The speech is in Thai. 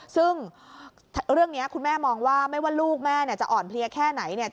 ซึ่งเรื่องนี้คุณแม่มองว่าไม่ว่าลูกแม่เนี่ยจะอ่อนเพลียแค่ไหนเนี่ย